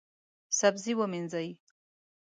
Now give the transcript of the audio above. سبزي ومینځئ